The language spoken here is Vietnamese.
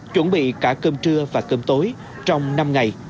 chuẩn bị cả cơm trưa và cơm tối trong năm ngày